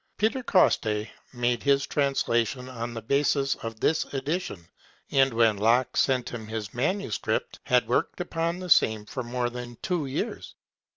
Peter Coste made his translation on the basis of this edition, and when Locke sent him his manuscript, had worked upon the same for more than two years.